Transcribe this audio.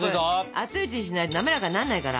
熱いうちにしないとなめらかになんないから。